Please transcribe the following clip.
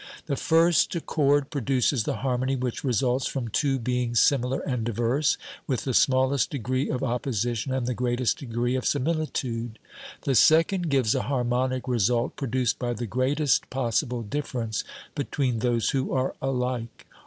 The first accord produces the harmony which results from two beings similar and diverse, with the smallest degree of op position and the greatest degree of similitude. The second gives a harmonic result produced by the greatest pos sible difference between those who are alike.